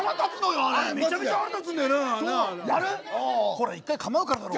ほら一回構うからだろ。